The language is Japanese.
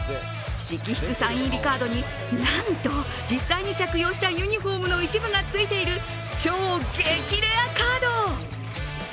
直筆サイン入りカードになんと実際に着用したユニフォームの一部がついている超激レアカード。